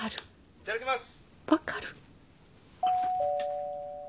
いただきます。